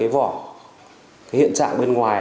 vỏ hiện trạng bên ngoài